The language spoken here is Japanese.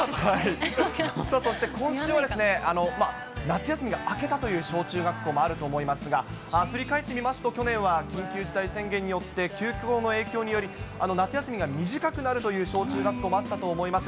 そして、今週は夏休みが明けたという小中学校もあると思いますが、振り返ってみますと、去年は緊急事態宣言によって、休校の影響により、夏休みが短くなるという小中学校もあったと思います。